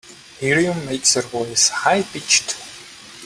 Helium makes your voice high pitched.